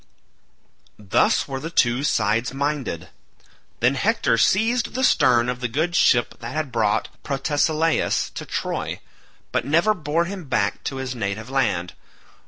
Thus were the two sides minded. Then Hector seized the stern of the good ship that had brought Protesilaus to Troy, but never bore him back to his native land.